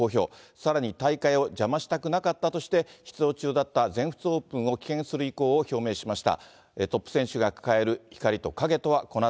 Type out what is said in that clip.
さらに、大会を邪魔したくなかったとして、出場中だった全仏オープンを棄権する意向を表明しました。